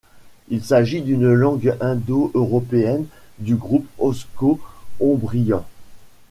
Il s'agit d'une langue indo-européenne, du groupe osco-ombrien.